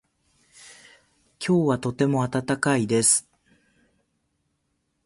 今日はとても暖かいです。